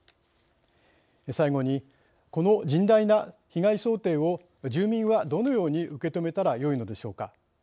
最後にこの甚大な被害想定を住民はどのように受け止めたらよいのでしょうか。